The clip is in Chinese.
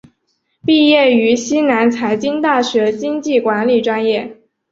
毕业于西南财经大学经济管理专业。